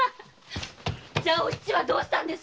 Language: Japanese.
じゃお七はどうしたんです！